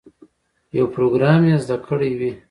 یو پروګرام یې زده کړی وي.